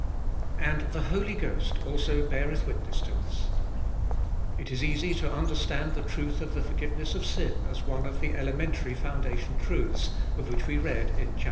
And the Holy Ghost also beareth witness to us. It is easy to understand the truth of the forgiveness of sin as one of the elementary foundation truths, of which we read in chap.